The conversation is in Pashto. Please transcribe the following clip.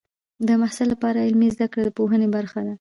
د محصل لپاره عملي زده کړه د پوهې برخه ده.